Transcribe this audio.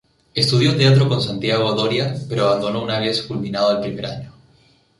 Estudió teatro con Santiago Doria pero abandonó una vez culminado el primer año.